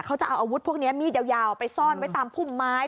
เขาจะเอาอาวุธพวกนี้มีดยาวไปซ่อนไว้ตามพุ่มไม้